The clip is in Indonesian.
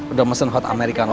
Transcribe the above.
udah pesen hot americano tadi